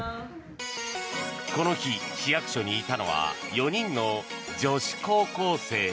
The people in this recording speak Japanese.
この日、市役所にいたのは４人の女子高校生。